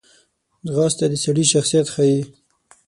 ځغاسته د سړي شخصیت ښیي